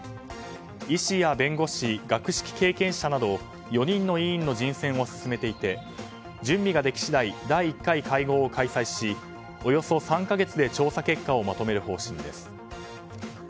医師や弁護士、学識経験者など４人の委員の人選を進めていて準備ができ次第第１回会合を開催しおよそ３か月で調査結果をまとめる方針です。